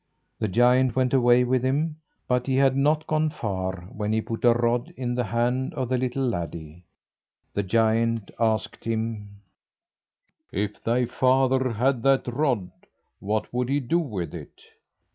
The giant went away with him; but he had not gone far when he put a rod in the hand of the little laddie. The giant asked him "If thy father had that rod what would he do with it?"